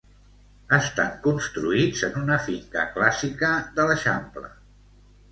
Estan construïts en una finca clàssica de l'Eixample.